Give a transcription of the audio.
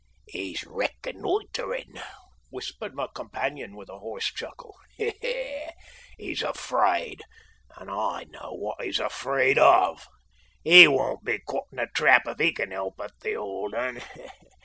"He's reconnoitering!" whispered my companion with a hoarse chuckle. "He's afraid and I know what he's afraid of. He won't be caught in a trap if he can help it, the old 'un.